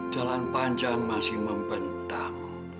jalan panjang masih membentang